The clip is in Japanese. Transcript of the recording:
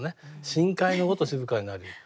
「深海のごと静かになりぬ」。